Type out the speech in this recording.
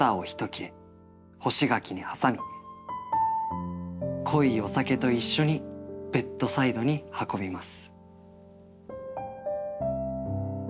干し柿に挟み濃いお酒と一緒にベッドサイドに運びます」。